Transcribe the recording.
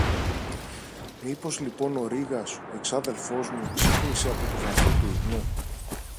Μήπως λοιπόν ο Ρήγας, ο εξάδελφος μου, ξύπνησε από το βαθύ του ύπνο;